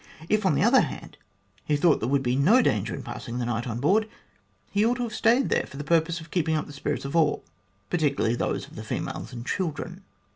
If, on the other hand, he thought there would be no danger in passing the night on board, he ought to have stayed there' for the purpose of keeping up the spirits of all, particularly those of the females and children.